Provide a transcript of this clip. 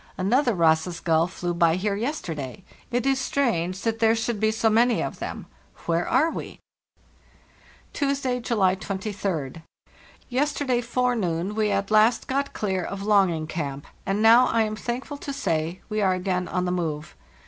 Another Ross's gull flew by here yesterday. It is strange that there should be so many of them. Where are we? " Tuesday, July 23d. Yesterday forenoon we at last got clear of ' Longing Camp,' and now, I am thankful to say, we are again on the move.